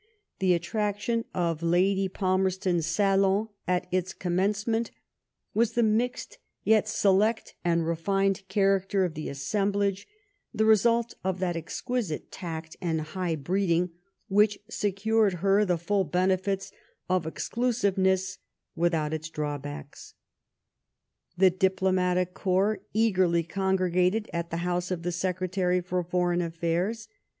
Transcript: ... The attraction of Lady Palmerston's salon at its commencement was the mixed, yet select and refined, character of the assemblage, the result of that exquisite tact and high breeding which secured her the full benefits of exolusiveness without its drawbacks. The diplomatic corps eagerly congregated at the house of the Secretary for Foreign AflFairs.